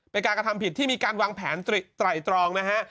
เป็นการกระทำผิดที่มีการวางแผนไตรตรองนะฮะ